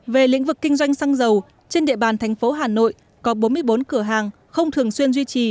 về lĩnh vực kinh doanh xăng dầu trên địa bàn thành phố hà nội có bốn mươi bốn cửa hàng không thường xuyên duy trì